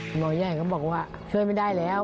หมอใหญ่ก็บอกว่าช่วยไม่ได้แล้ว